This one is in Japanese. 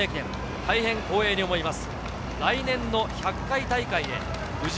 大変光栄に思います。